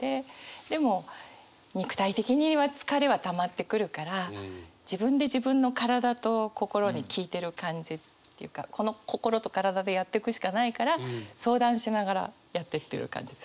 でも肉体的には疲れはたまってくるから自分で自分の体と心に聞いてる感じっていうかこの心と体でやっていくしかないから相談しながらやっていってる感じです。